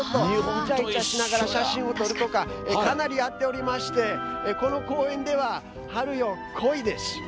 いちゃいちゃしながら写真を撮るとかかなりやっておりましてこの公園では「春よ、恋」です。